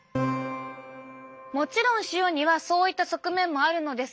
もちろん塩にはそういった側面もあるのですが。